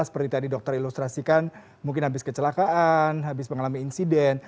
seperti tadi dokter ilustrasikan mungkin habis kecelakaan habis mengalami insiden